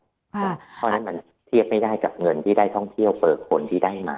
เพราะฉะนั้นมันเทียบไม่ได้กับเงินที่ได้ท่องเที่ยวเปลือกคนที่ได้มา